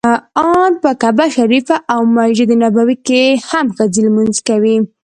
ان په کعبه شریفه او مسجد نبوي کې هم ښځې لمونځ کوي.